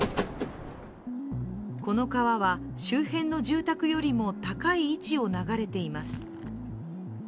この川は、周辺の住宅よりも高い位置を流れています。